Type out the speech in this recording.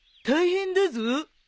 大変だぞ。